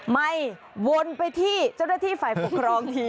วนไปที่เจ้าหน้าที่ฝ่ายปกครองที